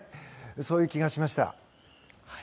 そういう気がしました。